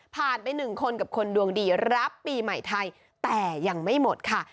ไปหนึ่งคนกับคนดวงดีรับปีใหม่ไทยแต่ยังไม่หมดค่ะ